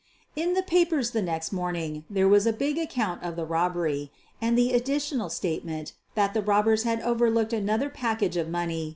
In the papers the next morning there was a big account of the robbery, and the additional state ment that the robbers had overlooked another pack age of moiir?